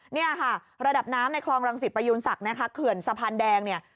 เนี่ยค่ะระดับน้ำในคลองรังสิตประยูนศักดิ์นะคะเขื่อนสะพานแดงเนี่ย